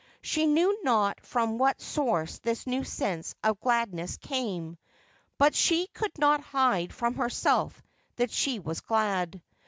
She knew not from what source this new sense ' of gladness came ; but she could not hide from herself that she was glad.